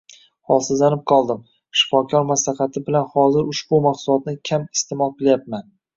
Holsizlanib qoldim, shifokor maslahati bilan hozir ushbu mahsulotni kam iste’mol qilyapman.